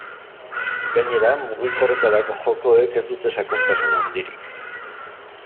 Gainera, mugikorretarako jokoek ez dute sakontasun handirik.